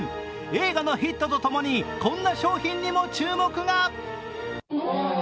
映画のヒットと共にこんな商品にも注目が。